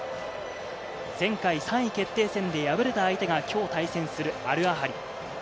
前回、３位決定戦で敗れた相手が今日対戦するアルアハリ。